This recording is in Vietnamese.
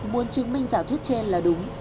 muốn chứng minh giả thuyết trên là đúng